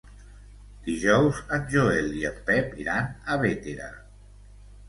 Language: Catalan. Dijous en Joel i en Pep iran a Bétera.